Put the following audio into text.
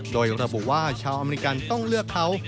โดยระบุว่าชาวอเมริกันต้องเลือกเขา